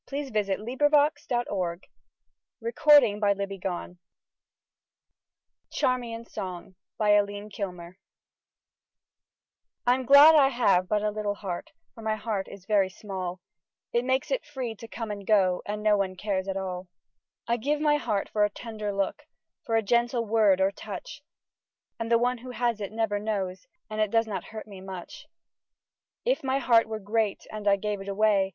Arthur Davison Ficke POETRY: A Magazine of Verse THREE POEMS charmian's song Tm glad I have but a little heart — For my heart is very small: It makes it free to come and go, And no one cares at all. I give my heart for a tender look, For a gentle word or touch; And the one who has it never knows, And it does not hurt me much. If my heart were great and I gave it away.